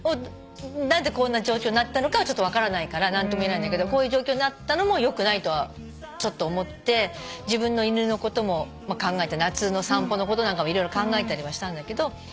何でこんな状況になったのかはちょっと分からないから何とも言えないんだけどこういう状況になったのも良くないとはちょっと思って自分の犬のことも考えて夏の散歩のことなんかも色々考えたりはしたんだけど。